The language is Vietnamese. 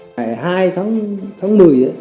ngày hai tháng một mươi